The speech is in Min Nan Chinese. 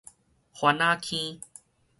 番仔坑